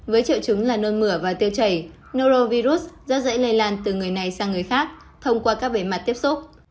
với triệu chứng là nôn mửa và tiêu chảy norovirus rất dễ lây lan từ người này sang người khác thông qua các bề mặt tiếp xúc